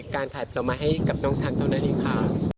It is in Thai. การถ่ายประมาณให้กับน้องชันต้อนรับด้านนี้ค่ะ